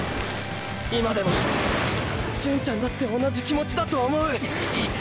今でもーー純ちゃんだって同じ気持ちだと思う。